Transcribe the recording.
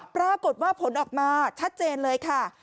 ปรากฏว่าผลออกมาชัดเจนเลยค่ะ